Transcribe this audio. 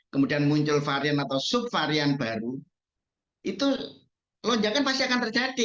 kemudian muncul varian atau subvarian baru itu lonjakan pasti akan terjadi